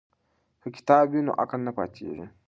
که کتاب وي نو عقل نه پاتیږي.